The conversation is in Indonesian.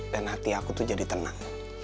dan hati aku jadi tenang